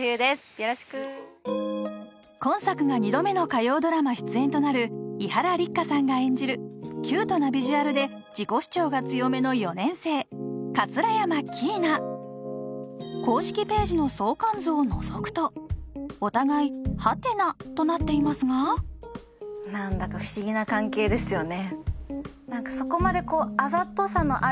よろしく今作が２度目の火曜ドラマ出演となる伊原六花さんが演じるキュートなビジュアルで自己主張が強めの４年生桂山キイナ公式ページの相関図をのぞくとお互いハテナとなっていますが何だか不思議な関係ですよね